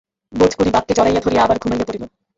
বোধ করি বাপকে জড়াইয়া ধরিয়া আবার ঘুমাইয়া পড়িল।